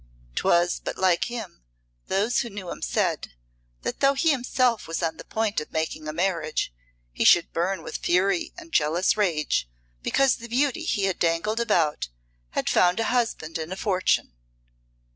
'Twas but like him, those who knew him said, that though he himself was on the point of making a marriage, he should burn with fury and jealous rage, because the beauty he had dangled about had found a husband and a fortune.